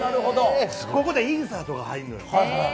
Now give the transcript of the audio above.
ここでインサートが入るのよ。